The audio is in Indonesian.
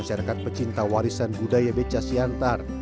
masyarakat pecinta warisan budaya beca siantar